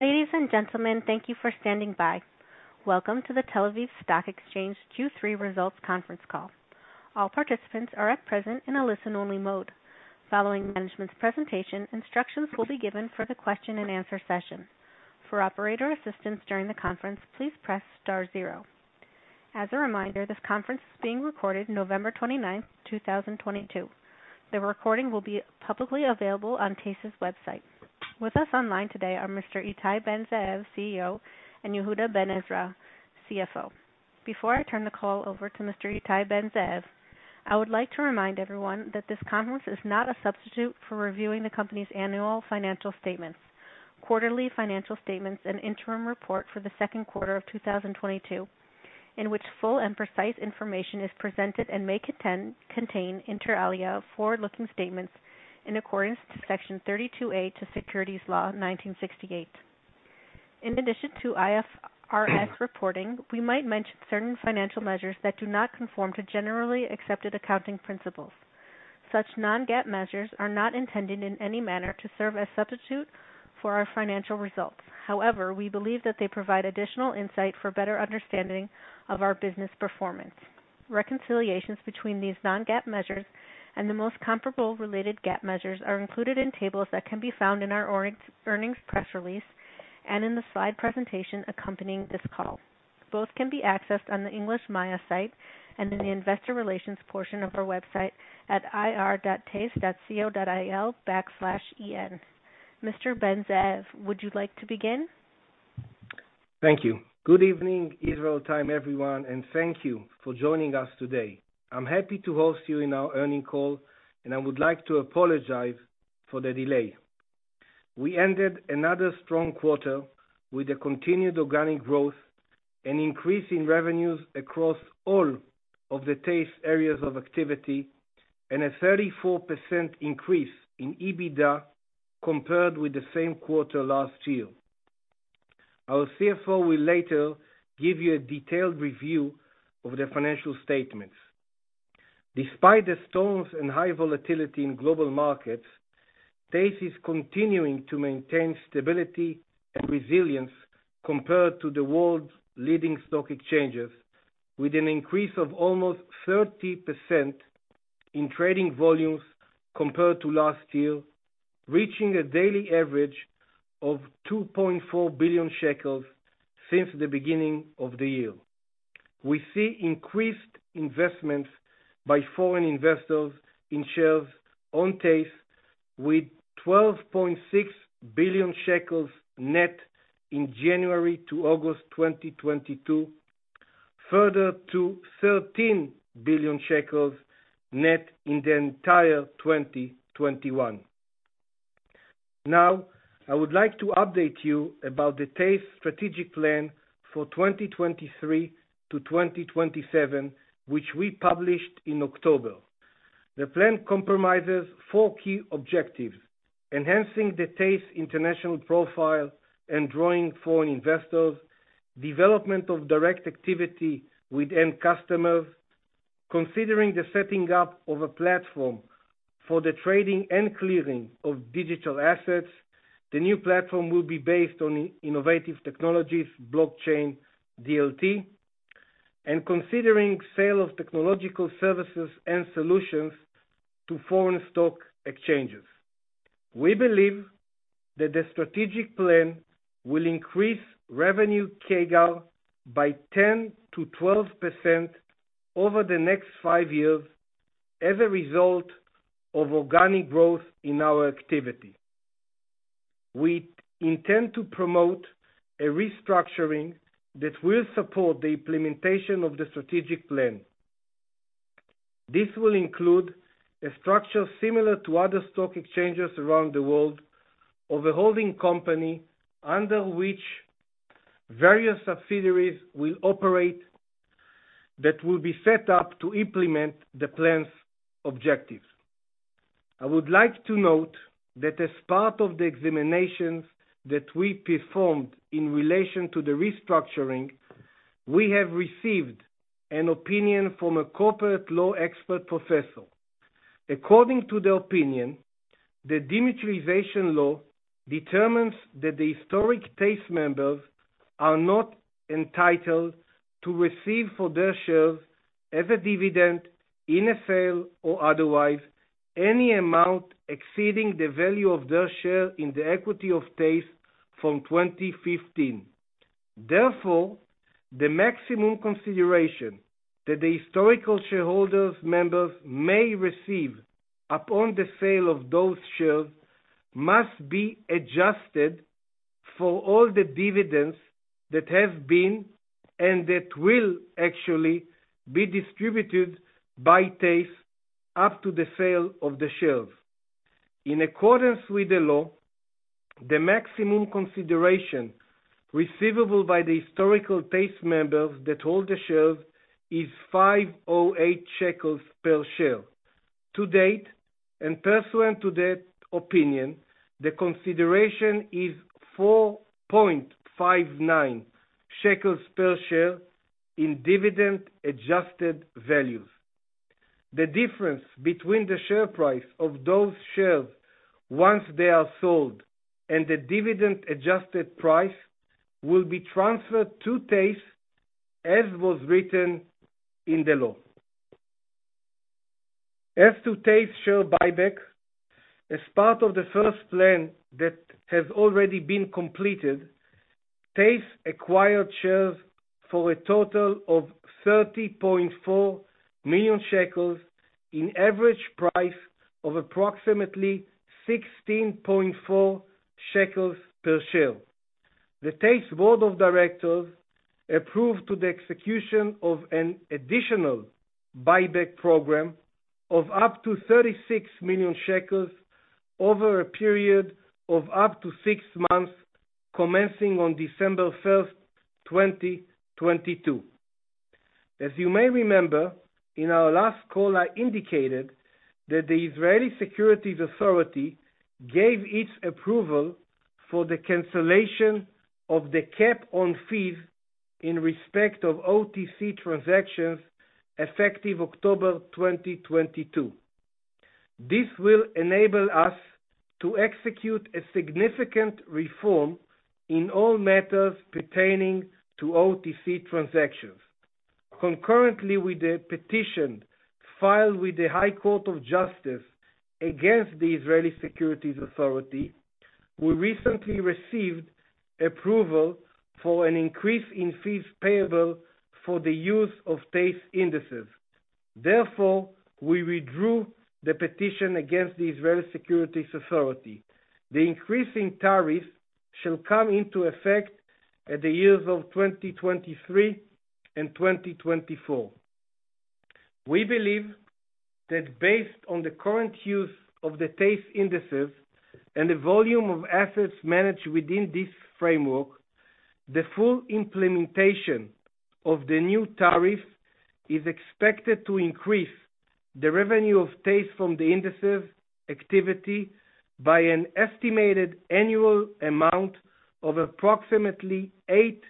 Ladies and gentlemen, thank you for standing by. Welcome to The Tel Aviv Stock Exchange Q3 Results Conference Call. All participants are at present in a listen-only mode. Following management's presentation, instructions will be given for the question and answer session. For operator assistance during the conference, please press star zero. As a reminder, this conference is being recorded November 29th, 2022. The recording will be publicly available on TASE's website. With us online today are Mr. Ittai Ben-Zeev, CEO, and Yehuda Ben Ezra, CFO. Before I turn the call over to Mr. Ittai Ben-Zeev, I would like to remind everyone that this conference is not a substitute for reviewing the company's annual financial statements, quarterly financial statements, and interim report for the second quarter of 2022, in which full and precise information is presented and may contain, inter alia, forward-looking statements in accordance to Section 32A to Securities Law 1968. In addition to IFRS reporting, we might mention certain financial measures that do not conform to generally accepted accounting principles. Such non-GAAP measures are not intended in any manner to serve as substitute for our financial results. However, we believe that they provide additional insight for better understanding of our business performance. Reconciliations between these non-GAAP measures and the most comparable related GAAP measures are included in tables that can be found in our earnings press release and in the slide presentation accompanying this call. Both can be accessed on the English MAYA site and in the investor relations portion of our website at ir.tase.co.il/en. Mr. Ben-Zeev, would you like to begin? Thank you. Good evening, Israel time, everyone, thank you for joining us today. I'm happy to host you in our earnings call, I would like to apologize for the delay. We ended another strong quarter with a continued organic growth, an increase in revenues across all of the TASE areas of activity, and a 34% increase in EBITDA compared with the same quarter last year. Our CFO will later give you a detailed review of the financial statements. Despite the storms and high volatility in global markets, TASE is continuing to maintain stability and resilience compared to the world's leading stock exchanges, with an increase of almost 30% in trading volumes compared to last year, reaching a daily average of 2.4 billion shekels since the beginning of the year. We see increased investments by foreign investors in shares on TASE with 12.6 billion shekels net in January to August 2022, further to 13 billion shekels net in the entire 2021. I would like to update you about the TASE strategic plan for 2023-2027, which we published in October. The plan compromises four key objectives, enhancing the TASE international profile and drawing foreign investors, development of direct activity with end customers, considering the setting up of a platform for the trading and clearing of digital assets. The new platform will be based on innovative technologies, blockchain, DLT, and considering sale of technological services and solutions to foreign stock exchanges. We believe that the strategic plan will increase revenue CAGR by 10%-12% over the next five years as a result of organic growth in our activity. We intend to promote a restructuring that will support the implementation of the strategic plan. This will include a structure similar to other stock exchanges around the world of a holding company, under which various subsidiaries will operate that will be set up to implement the plan's objectives. I would like to note that as part of the examinations that we performed in relation to the restructuring, we have received an opinion from a corporate law expert professor. According to the opinion, the demutualization law determines that the historic TASE members are not entitled to receive for their shares as a dividend in a sale or otherwise any amount exceeding the value of their share in the equity of TASE from 2015. The maximum consideration that the historical shareholders members may receive upon the sale of those shares must be adjusted for all the dividends that have been and that will actually be distributed by TASE up to the sale of the shares. In accordance with the law, the maximum consideration receivable by the historical TASE members that hold the shares is 508 shekels per share. To date, pursuant to that opinion, the consideration is 4.59 shekels per share in dividend-adjusted values. The difference between the share price of those shares once they are sold and the dividend-adjusted price will be transferred to TASE as was written in the law. As to TASE share buyback, as part of the first plan that has already been completed, TASE acquired shares for a total of 30.4 million shekels in average price of approximately 16.4 shekels per share. The TASE board of directors approved to the execution of an additional buyback program of up to 36 million shekels over a period of up to six months, commencing on December 1st, 2022. As you may remember, in our last call, I indicated that the Israel Securities Authority gave its approval for the cancellation of the cap on fees in respect of OTC transactions effective October 2022. This will enable us to execute a significant reform in all matters pertaining to OTC transactions. Concurrently with the petition filed with the High Court of Justice against the Israel Securities Authority, we recently received approval for an increase in fees payable for the use of TASE indices. We withdrew the petition against the Israel Securities Authority. The increase in tariffs shall come into effect at the years of 2023 and 2024. We believe that based on the current use of the TASE indices and the volume of assets managed within this framework, the full implementation of the new tariff is expected to increase the revenue of TASE from the indices activity by an estimated annual amount of approximately 8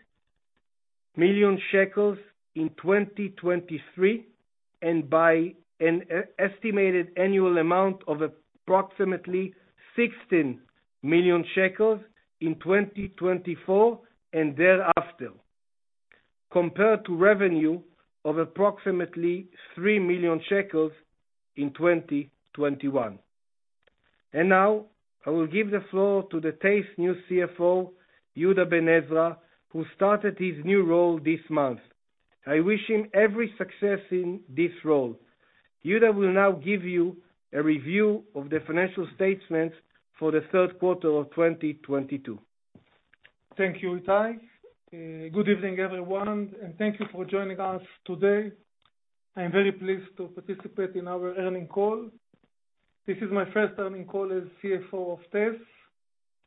million shekels in 2023, and by an estimated annual amount of approximately 16 million shekels in 2024 and thereafter, compared to revenue of approximately 3 million shekels in 2021. Now I will give the floor to the TASE new CFO, Yehuda Ben Ezra, who started his new role this month. I wish him every success in this role. Yehuda will now give you a review of the financial statements for the third quarter of 2022. Thank you, Ittai. Good evening, everyone, and thank you for joining us today. I'm very pleased to participate in our earnings call. This is my first earnings call as CFO of TASE.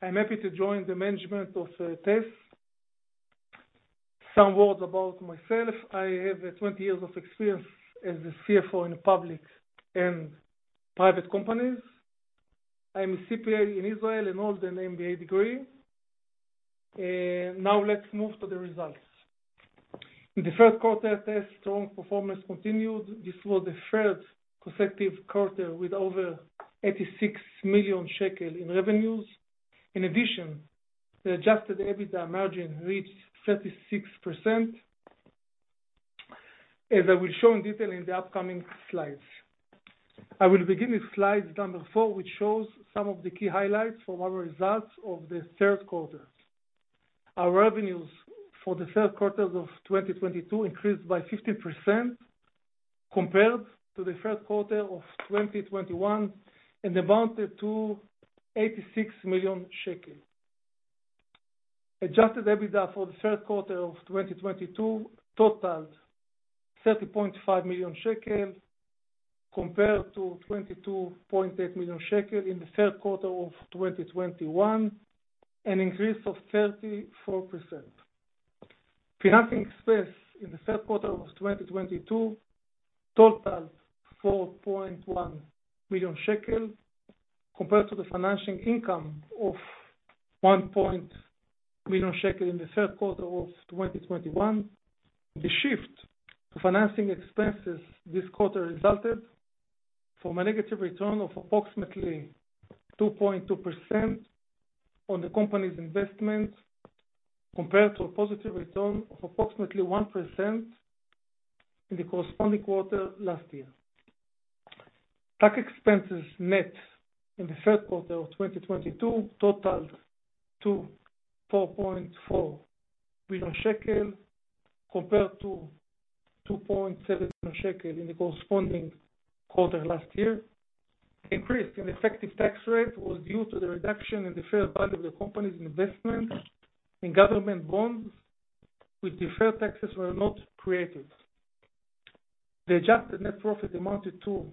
I'm happy to join the management of TASE. Some words about myself. I have 20 years of experience as a CFO in public and private companies. I'm a CPA in Israel and hold an MBA degree. Now let's move to the results. In the third quarter, TASE strong performance continued. This was the third consecutive quarter with over 86 million shekel in revenues. In addition, the adjusted EBITDA margin reached 36%, as I will show in detail in the upcoming slides. I will begin with slide number four, which shows some of the key highlights from our results of the third quarter. Our revenues for the third quarter of 2022 increased by 50% compared to the third quarter of 2021 and amounted to 86 million shekels. Adjusted EBITDA for the third quarter of 2022 totaled 30.5 million shekel compared to 22.8 million shekel in the third quarter of 2021, an increase of 34%. Financing expense in the third quarter of 2022 totaled 4.1 million shekel compared to the financing income of [one point million shekel] in the third quarter of 2021. The shift to financing expenses this quarter resulted from a negative return of approximately 2.2% on the company's investment compared to a positive return of approximately 1% in the corresponding quarter last year. Tax expenses net in the third quarter of 2022 totaled to 4.4 million shekel compared to 2.7 million shekel in the corresponding quarter last year. Increase in effective tax rate was due to the reduction in the fair value of the company's investment in government bonds with deferred taxes were not created. The adjusted net profit amounted to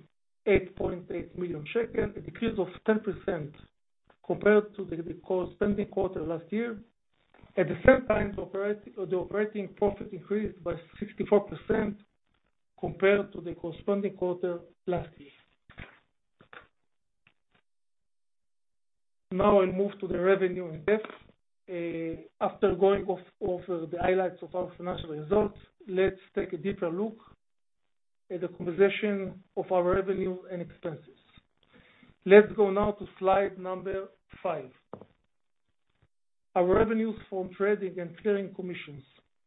8.8 million shekel, a decrease of 10% compared to the corresponding quarter last year. At the same time, the operating profit increased by 64% compared to the corresponding quarter last year. I'll move to the revenue and debt. After going off over the highlights of our financial results, let's take a deeper look at the composition of our revenue and expenses. Let's go now to slide number five. Our revenues from trading and clearing commissions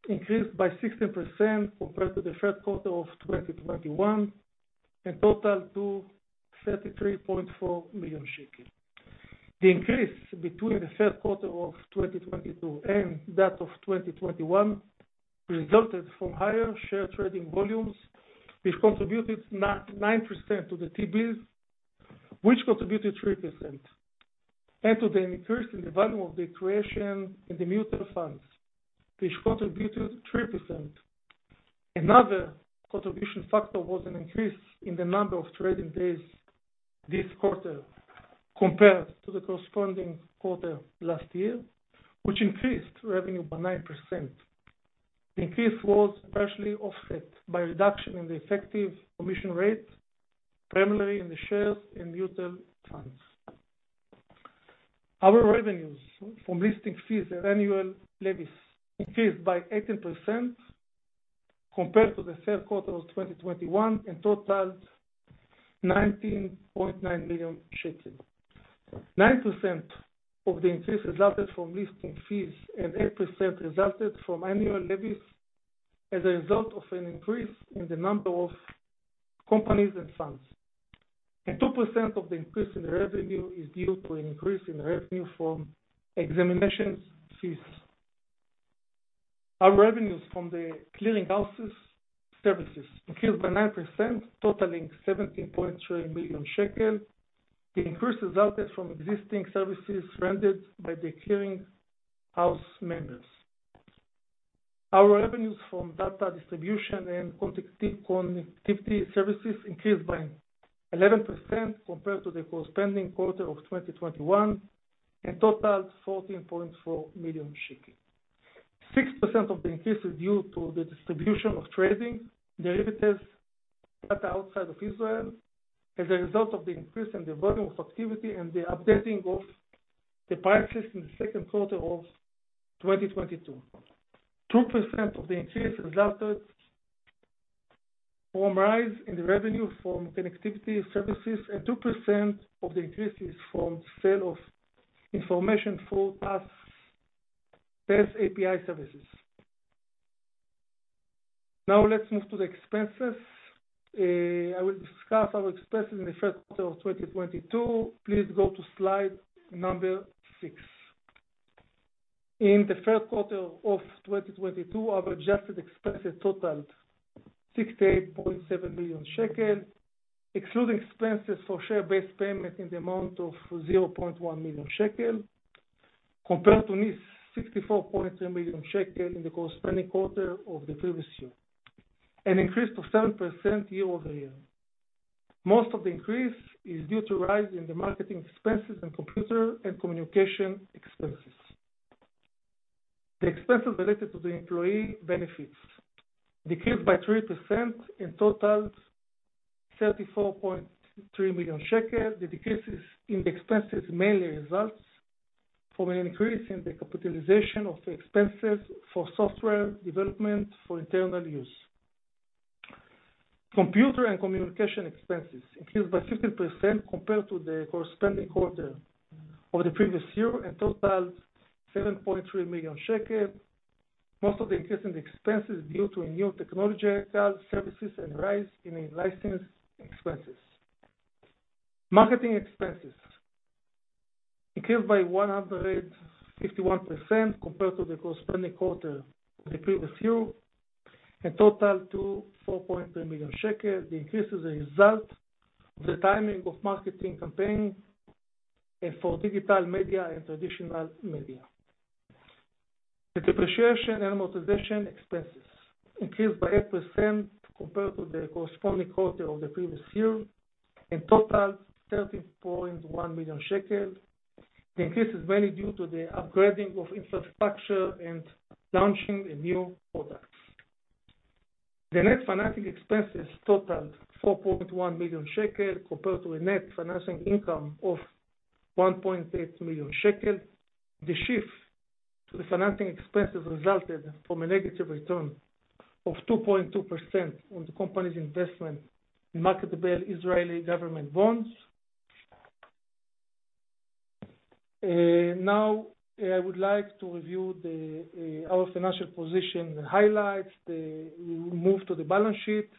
increased by 16% compared to the third quarter of 2021, and totaled to 33.4 million shekel. The increase between the third quarter of 2022 and that of 2021 resulted from higher share trading volumes, which contributed 9% to the T-bills, which contributed 3%, and to the increase in the value of the creation in the mutual funds, which contributed 3%. Another contribution factor was an increase in the number of trading days this quarter compared to the corresponding quarter last year, which increased revenue by 9%. Increase was partially offset by reduction in the effective commission rate, primarily in the shares in mutual funds. Our revenues from listing fees and annual levies increased by 18% compared to the third quarter of 2021, and totaled 19.9 million shekels. 9% of the increase resulted from listing fees and 8% resulted from annual levies as a result of an increase in the number of companies and funds. 2% of the increase in revenue is due to an increase in revenue from examinations fees. Our revenues from the Clearing Houses services increased by 9%, totaling 17.3 million shekel. The increase resulted from existing services rendered by the Clearing House members. Our revenues from data distribution and connectivity services increased by 11% compared to the corresponding quarter of 2021, and totaled 14.4 million shekels. 6% of the increase is due to the distribution of trading derivatives at the outside of Israel as a result of the increase in the volume of activity and the updating of the prices in the second quarter of 2022. 2% of the increase resulted from rise in the revenue from connectivity services, and 2% of the increase is from sale of information through TASE API services. Now let's move to the expenses. I will discuss our expenses in the first quarter of 2022. Please go to slide number six. In the first quarter of 2022, our adjusted expenses totaled 68.7 million shekel, excluding expenses for share-based payment in the amount of 0.1 million shekel compared to this 64.3 million shekel in the corresponding quarter of the previous year, an increase of 7% year-over-year. Most of the increase is due to rise in the marketing expenses and computer and communication expenses. The expenses related to the employee benefits decreased by 3% and totaled 34.3 million shekel. The decreases in the expenses mainly results from an increase in the capitalization of the expenses for software development for internal use. Computer and communication expenses increased by 15% compared to the corresponding quarter of the previous year and totaled ILS 7.3 million. Most of the increase in the expenses due to a new technological services and rise in the license expenses. Marketing expenses increased by 151% compared to the corresponding quarter of the previous year and totaled to 4.3 million shekels. The increase is a result of the timing of marketing campaign for digital media and traditional media. The depreciation and amortization expenses increased by 8% compared to the corresponding quarter of the previous year, and totaled 13.1 million shekels. The increase is mainly due to the upgrading of infrastructure and launching a new product. The net financing expenses totaled 4.1 million shekel compared to a net financing income of 1.8 million shekel. The shift to the financing expenses resulted from a negative return of 2.2% on the company's investment in market of the Israeli government bonds. Now, I would like to review our financial position highlights. We will move to the balance sheet,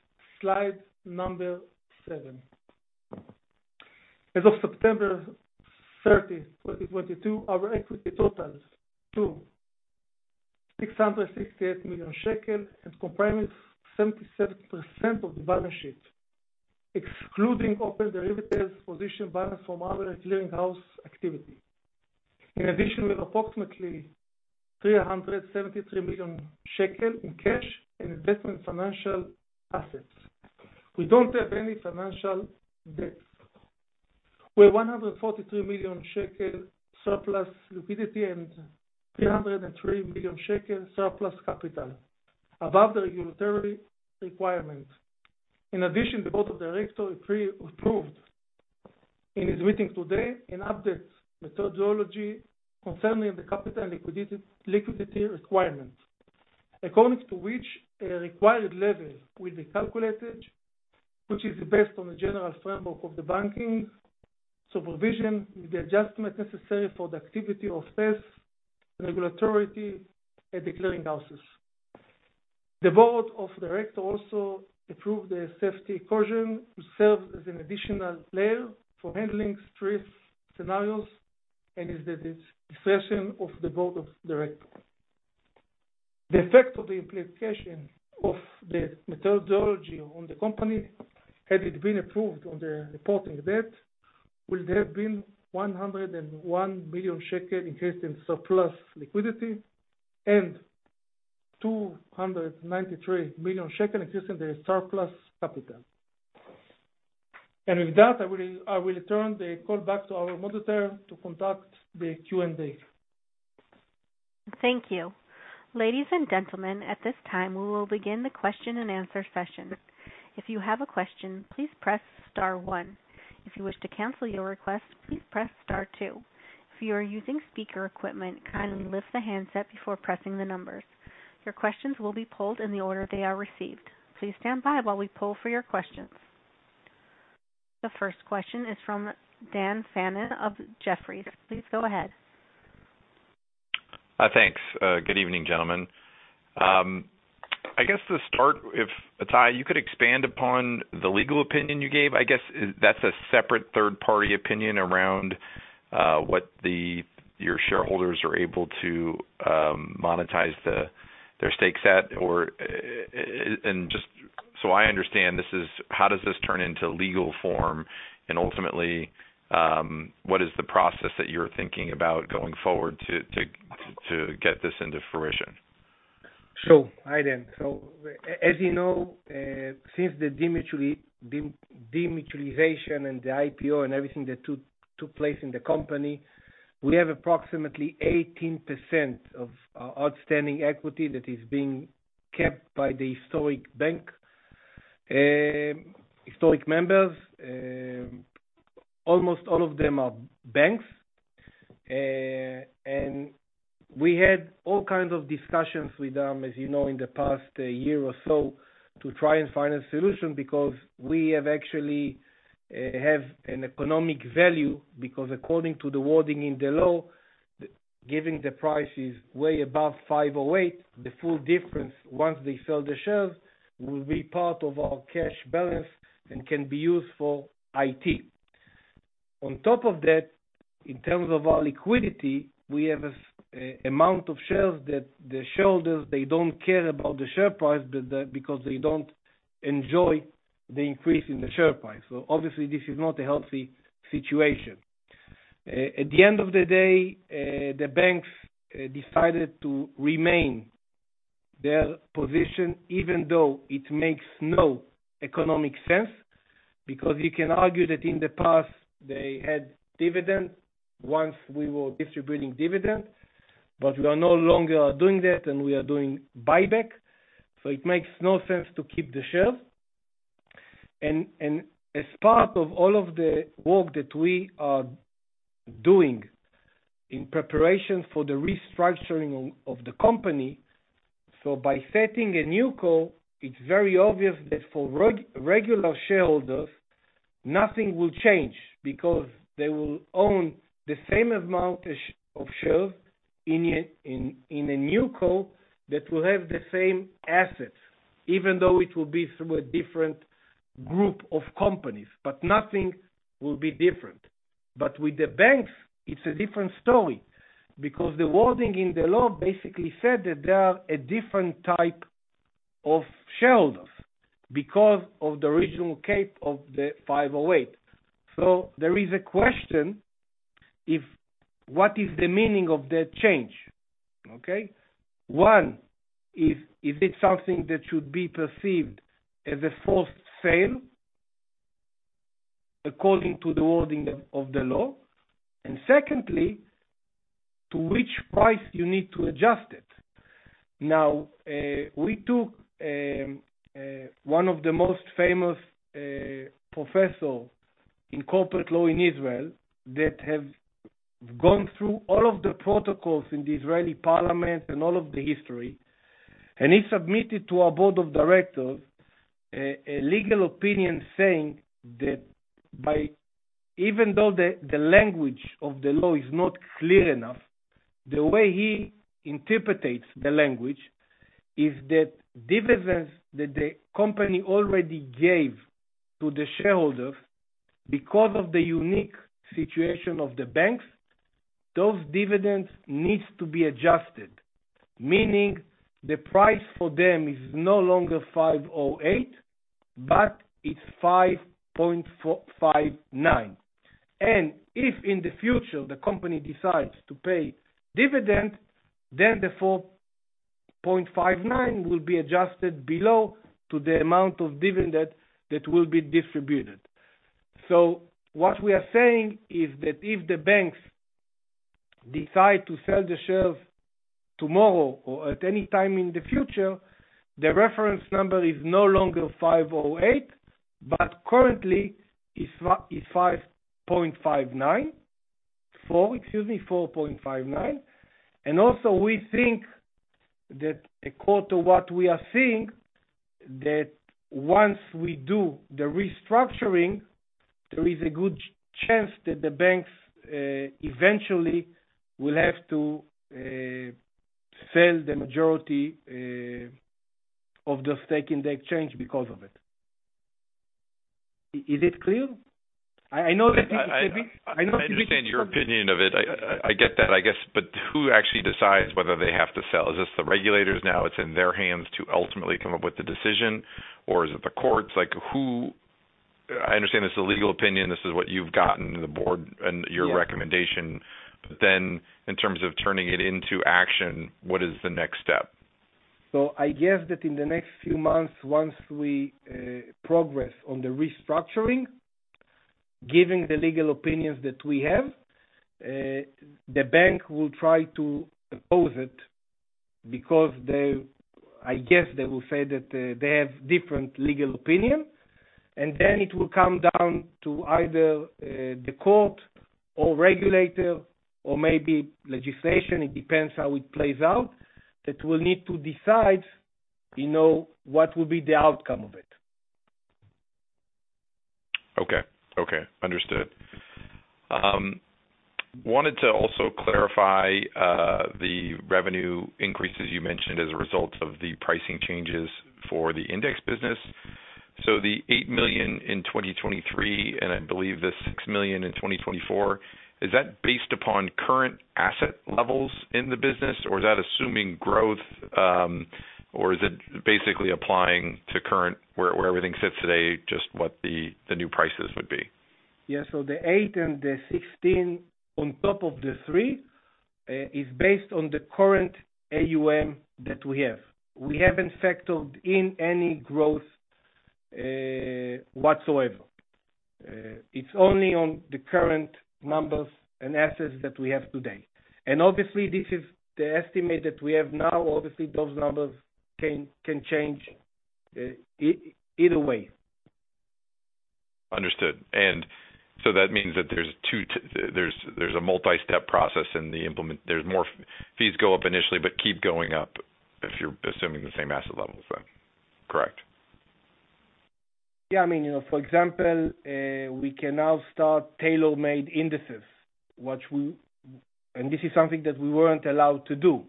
slide number seven. As of September 30, 2022, our equity totals to 668 million shekel and comprising 77% of the balance sheet, excluding open derivatives position balance from our clearing house activity. In addition, we have approximately 373 million shekel in cash and investment financial assets. We don't have any financial debt. We have 143 million shekel surplus liquidity and 303 million shekel surplus capital above the regulatory requirement. In addition, the board of directors pre-approved in its meeting today an update methodology concerning the capital and liquidity requirements, according to which a required level will be calculated, which is based on the general framework of the banking supervision, with the adjustment necessary for the activity of TASE, regulatory and the clearing houses. The board of directors also approved a safe harbor to serve as an additional layer for handling stress scenarios and is the discretion of the board of directors. The effect of the implication of the methodology on the company, had it been approved on the reporting date, would have been 101 million shekel increase in surplus liquidity and 293 million shekel increase in the surplus capital. With that, I will return the call back to our moderator to conduct the Q&A. Thank you. Ladies and gentlemen, at this time, we will begin the question and answer session. If you have a question, please press star one. If you wish to cancel your request, please press star two. If you are using speaker equipment, kindly lift the handset before pressing the numbers. Your questions will be pulled in the order they are received. Please stand by while we pull for your questions. The first question is from Dan Fannon of Jefferies. Please go ahead. Thanks. Good evening, gentlemen. I guess to start, if, Ittai, you could expand upon the legal opinion you gave. I guess that's a separate third-party opinion around what your shareholders are able to monetize their stakes at or... Just so I understand, how does this turn into legal form? Ultimately, what is the process that you're thinking about going forward to get this into fruition? Sure. Hi, Dan. As you know, since the demutualization and the IPO and everything that took place in the company, we have approximately 18% of outstanding equity that is being kept by the historic members. Almost all of them are banks. We had all kinds of discussions with them, as you know, in the past year or so to try and find a solution because we actually have an economic value, because according to the wording in the law, given the price is way above 508, the full difference once they sell the shares will be part of our cash balance and can be used for IT. On top of that, in terms of our liquidity, we have a amount of shares that the shareholders, they don't care about the share price because they don't enjoy the increase in the share price. Obviously this is not a healthy situation. At the end of the day, the banks decided to remain their position even though it makes no economic sense, because you can argue that in the past they had dividends once we were distributing dividends, but we are no longer doing that, and we are doing buyback, so it makes no sense to keep the shares. As part of all of the work that we are doing in preparation for the restructuring of the company. By setting a new co, it's very obvious that for regular shareholders, nothing will change because they will own the same amount of shares in a new co that will have the same assets, even though it will be through a different group of companies, but nothing will be different. With the banks, it's a different story because the wording in the law basically said that they are a different type of shareholders because of the original cape of the 508. There is a question if what is the meaning of that change? Okay. One, is it something that should be perceived as a forced sale according to the wording of the law? Secondly, to which price you need to adjust it. We took one of the most famous professor in corporate law in Israel that have gone through all of the protocols in the Israeli parliament and all of the history, he submitted to our board of directors a legal opinion saying that by even though the language of the law is not clear enough, the way he interprets the language is that dividends that the company already gave to the shareholders because of the unique situation of the banks, those dividends needs to be adjusted. Meaning the price for them is no longer 508, but it's 5.459. If in the future the company decides to pay dividends, then the 4.59 will be adjusted below to the amount of dividend that will be distributed. What we are saying is that if the banks decide to sell the shares tomorrow or at any time in the future, the reference number is no longer 508, but currently is 5.59, excuse me, 4.59. Also we think that according to what we are seeing, that once we do the restructuring, there is a good chance that the banks eventually will have to sell the majority of the stake in the exchange because of it. Is it clear? I know that this is tricky. I know this is tricky. I understand your opinion of it. I get that, I guess. Who actually decides whether they have to sell? Is this the regulators now, it's in their hands to ultimately come up with the decision? Is it the courts? Who? I understand this is a legal opinion. This is what you've gotten, the board and your recommendation. In terms of turning it into action, what is the next step? I guess that in the next few months, once we progress on the restructuring, giving the legal opinions that we have, the bank will try to oppose it because I guess they will say that they have different legal opinion. It will come down to either the court or regulator or maybe legislation, it depends how it plays out, that will need to decide, you know, what will be the outcome of it. Okay. Okay. Understood. Wanted to also clarify the revenue increases you mentioned as a result of the pricing changes for the index business. The 8 million in 2023, and I believe the 6 million in 2024, is that based upon current asset levels in the business, or is that assuming growth, or is it basically applying to current, where everything sits today, just what the new prices would be? Yeah. The 8 million and the 16 million on top of the 3 million, is based on the current AUM that we have. We haven't factored in any growth whatsoever. It's only on the current numbers and assets that we have today. Obviously, this is the estimate that we have now. Obviously, those numbers can change either way. Understood. That means that there's a multi-step process in the implement. There's more fees go up initially, but keep going up if you're assuming the same asset levels then. Correct? I mean, you know, for example, we can now start tailor-made indices, and this is something that we weren't allowed to do.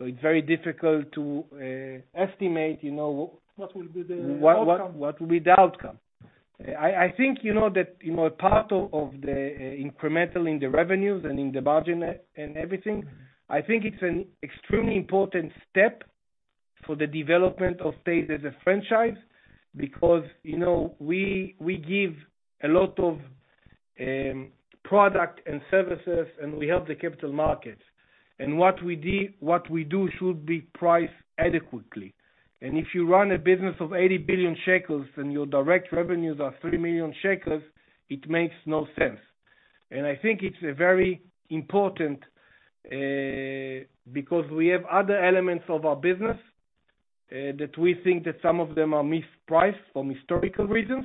It's very difficult to estimate, you know. What will be the outcome? What will be the outcome? I think, you know, that, you know, part of the incremental in the revenues and in the margin and everything, I think it's an extremely important step for the development of TASE as a franchise, because, you know, we give a lot of product and services, and we help the capital markets. What we do should be priced adequately. If you run a business of 80 billion shekels and your direct revenues are 3 million shekels, it makes no sense. I think it's a very important, because we have other elements of our business that we think that some of them are mispriced for historical reasons.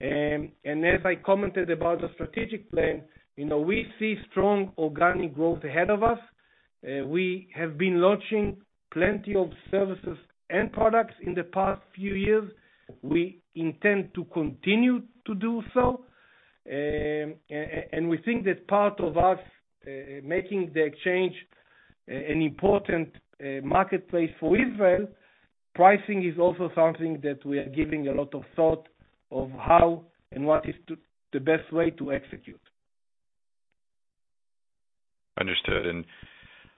As I commented about the strategic plan, you know, we see strong organic growth ahead of us. We have been launching plenty of services and products in the past few years. We intend to continue to do so. We think that part of us, making the exchange an important, marketplace for Israel, pricing is also something that we are giving a lot of thought of how and what is the best way to execute. Understood.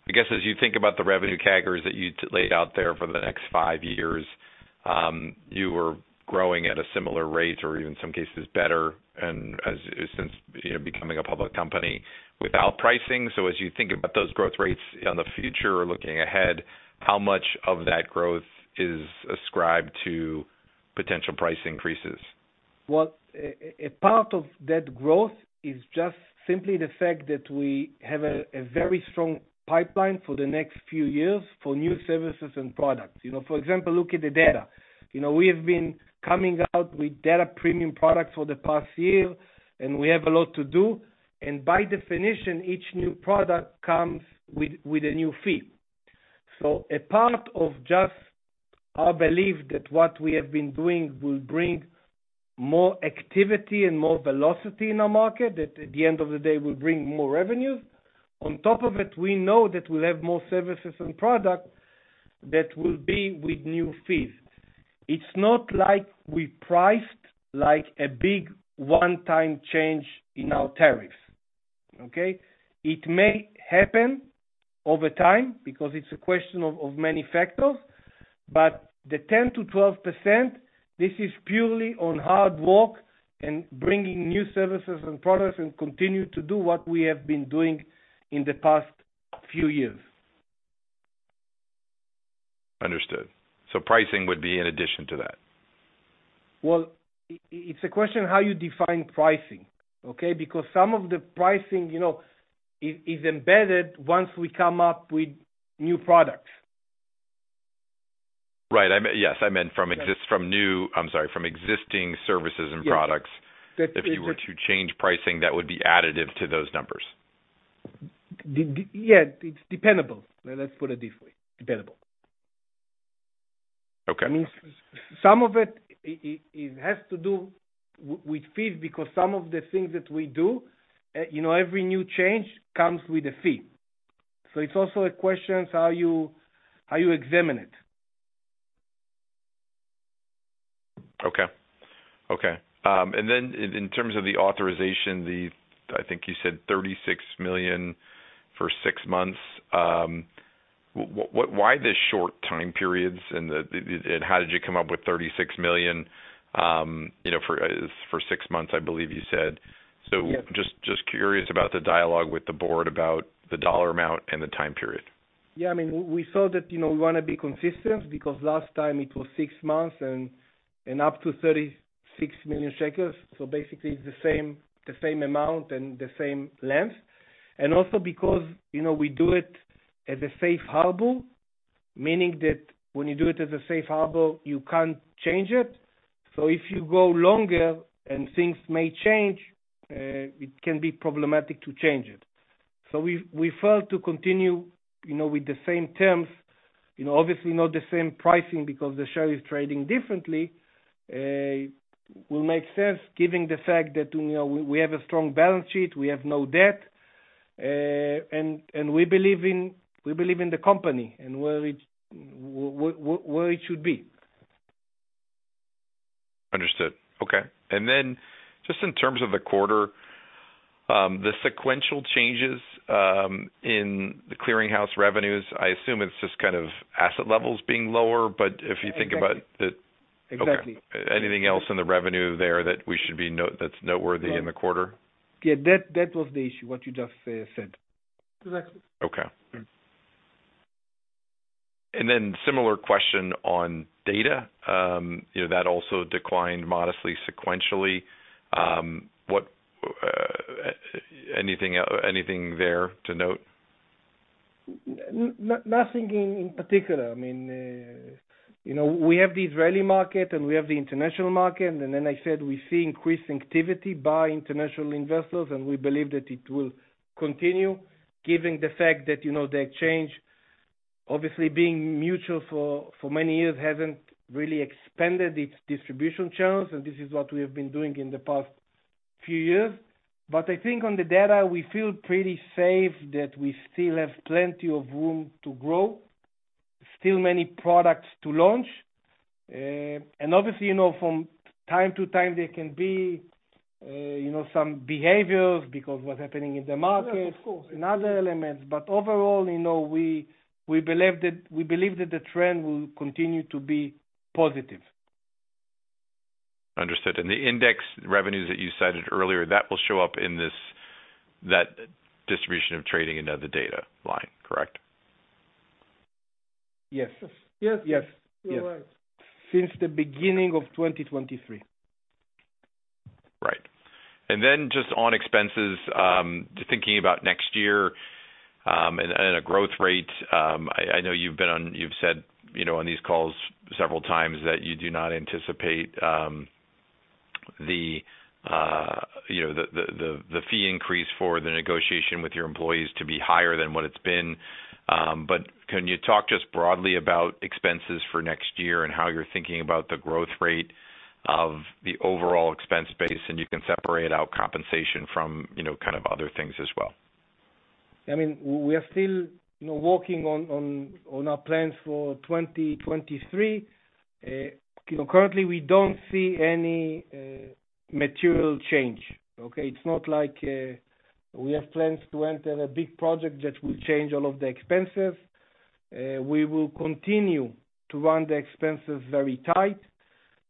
I guess as you think about the revenue CAGRs that you laid out there for the next five years, you were growing at a similar rate or even some cases better since, you know, becoming a public company without pricing. As you think about those growth rates in the future or looking ahead, how much of that growth is ascribed to potential price increases? Well, a part of that growth is just simply the fact that we have a very strong pipeline for the next few years for new services and products. You know, for example, look at the data. You know, we have been coming out with data premium products for the past year. We have a lot to do. By definition, each new product comes with a new fee. A part of just our belief that what we have been doing will bring more activity and more velocity in our market, that at the end of the day will bring more revenues. On top of it, we know that we'll have more services and products that will be with new fees. It's not like we priced like a big one-time change in our tariffs. Okay? It may happen over time because it's a question of many factors. The 10%-12%, this is purely on hard work and bringing new services and products and continue to do what we have been doing in the past few years. Understood. pricing would be in addition to that? Well, it's a question of how you define pricing, okay? Some of the pricing, you know, is embedded once we come up with new products. Right. Yes, I meant I'm sorry, from existing services and products. If you were to change pricing, that would be additive to those numbers. Yes, it's dependable. Let's put it this way, dependable. Okay. Means some of it has to do with fees because some of the things that we do, you know, every new change comes with a fee. It's also a question of how you examine it. Okay. Okay. In terms of the authorization, I think you said 36 million for six months. What, why the short time periods and the how did you come up with 36 million, you know, for six months, I believe you said? Yeah. Just curious about the dialogue with the board about the dollar amount and the time period. I mean, we saw that, you know, we wanna be consistent because last time it was six months and up to 36 million shekels. Basically the same amount and the same length. Also because, you know, we do it as a safe harbor, meaning that when you do it as a safe harbor, you can't change it. If you go longer and things may change, it can be problematic to change it. We felt to continue, you know, with the same terms, you know, obviously not the same pricing because the share is trading differently, will make sense giving the fact that, you know, we have a strong balance sheet, we have no debt, and we believe in the company and where it should be. Understood. Okay. Just in terms of the quarter, the sequential changes in the Clearing House revenues, I assume it's just kind of asset levels being lower. If you think about it... Exactly. Okay. Anything else in the revenue there that we should be that's noteworthy in the quarter? That was the issue, what you just said. Exactly. Okay. Similar question on data. You know, that also declined modestly sequentially. What anything there to note? Nothing in particular. I mean, you know, we have the Israeli market, we have the international market. I said we see increased activity by international investors. We believe that it will continue given the fact that, you know, the exchange obviously being mutual for many years hasn't really expanded its distribution channels. This is what we have been doing in the past few years. I think on the data, we feel pretty safe that we still have plenty of room to grow, still many products to launch. Obviously, you know, from time to time there can be, you know, some behaviors because what's happening in the market. Yes, of course. Overall, you know, we believe that the trend will continue to be positive. Understood. The index revenues that you cited earlier, that will show up in this, that distribution of trading into the data line, correct? Yes. Yes. Yes. You're right. Since the beginning of 2023. Right. Just on expenses, just thinking about next year, and a growth rate, I know you've said, you know, on these calls several times that you do not anticipate the, you know, the fee increase for the negotiation with your employees to be higher than what it's been. Can you talk just broadly about expenses for next year and how you're thinking about the growth rate of the overall expense base, and you can separate out compensation from, you know, kind of other things as well? I mean, we are still, you know, working on our plans for 2023. You know, currently we don't see any material change. Okay? It's not like we have plans to enter a big project that will change all of the expenses. We will continue to run the expenses very tight.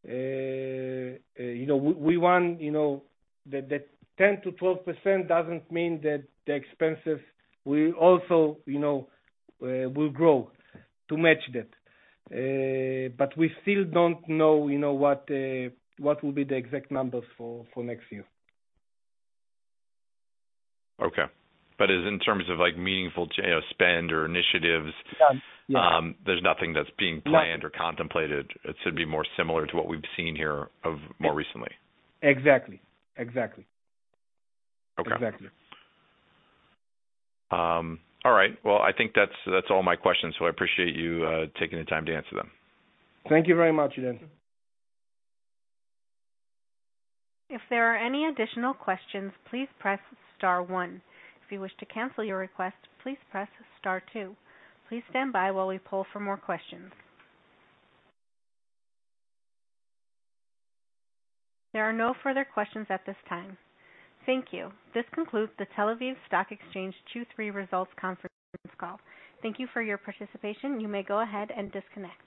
You know, we want, you know... The 10%-12% doesn't mean that the expenses will also, you know, will grow to match that. We still don't know, you know, what will be the exact numbers for next year. Okay. Is in terms of like meaningful, you know, spend or initiatives? Yeah. There's nothing that's being planned or contemplated. It should be more similar to what we've seen here of more recently. Exactly. Exactly. Okay. Exactly. All right. Well, I think that's all my questions. I appreciate you taking the time to answer them. Thank you very much, Dan. If there are any additional questions, please press star one. If you wish to cancel your request, please press star two. Please stand by while we poll for more questions. There are no further questions at this time. Thank you. This concludes the Tel Aviv Stock Exchange Q3 results conference call. Thank you for your participation. You may go ahead and disconnect.